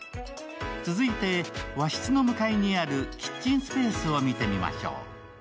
続いて、和室の向かいにあるキッチンスペースを見てみましょう。